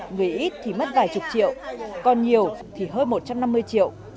người ít thì mất vài chục triệu còn nhiều thì hơn một trăm năm mươi triệu